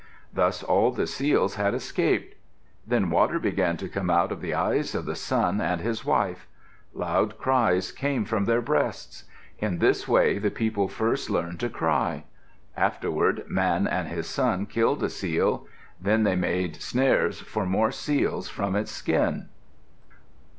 Thus all the seals had escaped. Then water began to come out of the eyes of the son and his wife. Loud cries came from their breasts. In this way people first learned to cry. Afterward, Man and his son killed a seal; then they made snares for more seals from its skin.